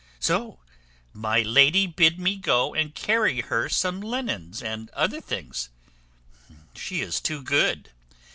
So my lady bid me go and carry her some linen, and other things. She is too good.